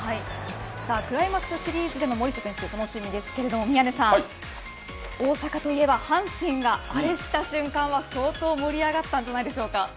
クライマックスシリーズでの森下選手、楽しみですが大阪といえば、阪神がアレした瞬間は相当盛り上がったんじゃないでしょうか？